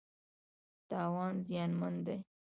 تاوان زیانمن دی.